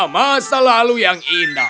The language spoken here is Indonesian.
masa lalu yang indah